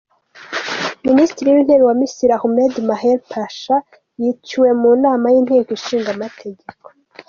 Minisitiri w’intebe wa Misiri Ahmed Maher Pasha yiciwe mu nama y’inteko ishingamategeko.